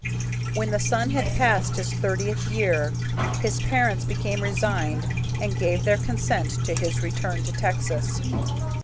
When the son had passed his thirtieth year, his parents became resigned and gave their consent to his return to Texas.